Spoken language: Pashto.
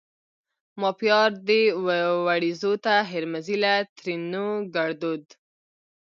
ما پيار دي وړیزو ته هرمزي له؛ ترينو ګړدود